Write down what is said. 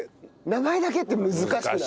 名前だけって難しくない？